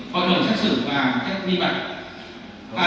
gọi đồ sát sử và chắc cũng như vậy